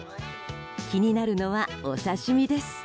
気になるのは、お刺し身です。